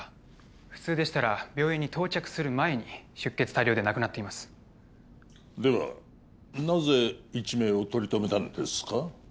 普通でしたら病院に到着する前に出血多量で亡くなっていますではなぜ一命を取り留めたのですか？